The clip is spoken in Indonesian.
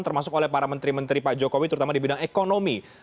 termasuk oleh para menteri menteri pak jokowi terutama di bidang ekonomi